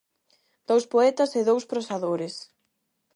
Dous poetas e dous prosadores.